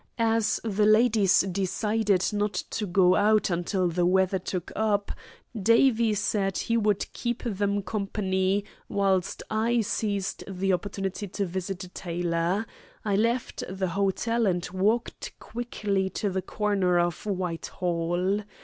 As the ladies decided not to go out until the weather took up, Davie said he would keep them company whilst I seized the opportunity to visit a tailor. I left the hotel and walked quickly to the corner of Whitehall.